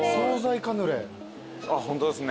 ホントですね